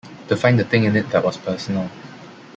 To find the thing in it that was personal.